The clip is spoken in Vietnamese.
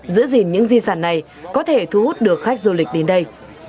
giữ gìn những di sản này có thể thu hút được khách du lịch đến đây